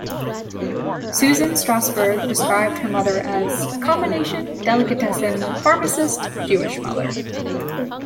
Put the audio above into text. Susan Strasberg described her mother as a "combination delicatessen, pharmacist, Jewish mother".